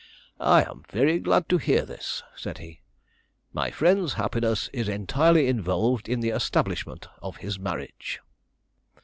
"I am very glad to hear this," said he; "my friend's happiness is entirely involved in the establishment of his marriage."